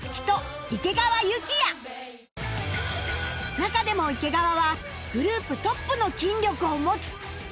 中でも池川はグループトップの筋力を持つ